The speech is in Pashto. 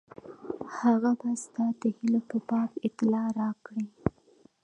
هغه به ستا د هیلو په باب اطلاع راکړي.